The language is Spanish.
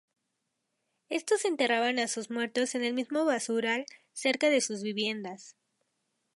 Estos enterraban a sus muertos en el mismo basural cerca de sus viviendas.